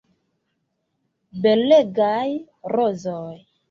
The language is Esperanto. Belegaj rozoj.